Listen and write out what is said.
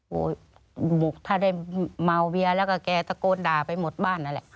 บุกถ้าได้เมาเบียร์แกก็จะตะโกด่าไปหมดบ้านนอะแหละ